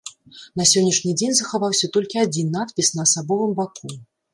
На сённяшні дзень захаваўся толькі адзін надпіс на асабовым баку.